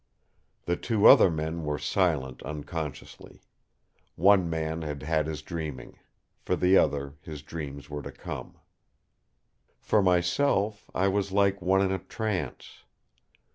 The two other men were silent unconsciously. One man had had his dreaming; for the other, his dreams were to come. For myself, I was like one in a trance.